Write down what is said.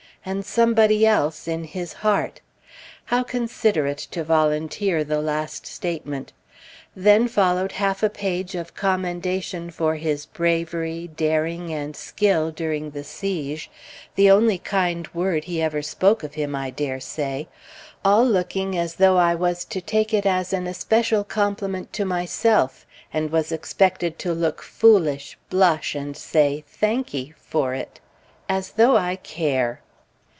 "and Somebody else in his heart." How considerate to volunteer the last statement! Then followed half a page of commendation for his bravery, daring, and skill during the siege (the only kind word he ever spoke of him, I dare say), all looking as though I was to take it as an especial compliment to myself, and was expected to look foolish, blush, and say "Thanky" for it. As though I care!